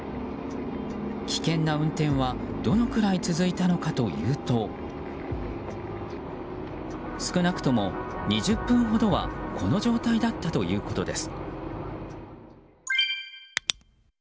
危険な運転はどのくらい続いたのかというと少なくとも２０分ほどはこの状態だったということです。